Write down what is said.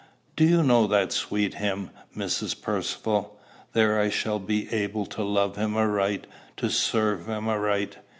"Do you know that sweet hymn, Mrs. Percivale? There I shall be able to love him aright, to serve him aright!